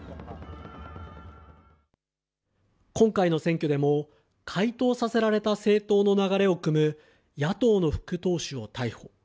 今回の選挙でも、解党させられた政党の流れをくむ野党の副党首を逮捕。